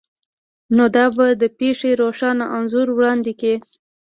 نو دا به د پیښې روښانه انځور وړاندې کړي